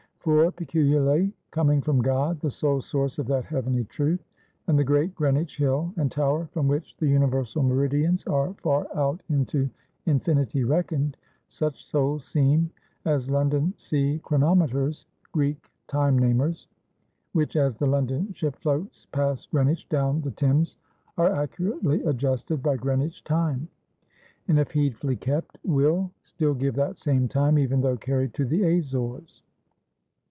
For peculiarly coming from God, the sole source of that heavenly truth, and the great Greenwich hill and tower from which the universal meridians are far out into infinity reckoned; such souls seem as London sea chronometers (Greek, time namers) which as the London ship floats past Greenwich down the Thames, are accurately adjusted by Greenwich time, and if heedfully kept, will still give that same time, even though carried to the Azores.